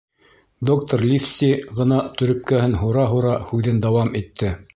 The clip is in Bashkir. Доктор Ливси ғына, төрөпкәһен һура-һура һүҙен дауам итте.